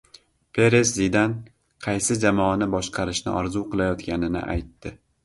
Peres Zidan qaysi jamoani boshqarishni orzu qilayotganini aytdi